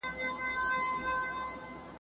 ستره شورا تل پر حقايقو ولاړه وي.